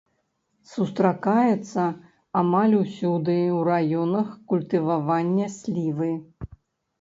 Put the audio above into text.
Сустракаецца амаль усюды ў раёнах культывавання слівы.